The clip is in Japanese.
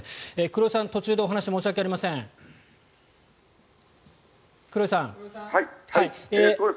黒井さん、途中でお話、申し訳ありません。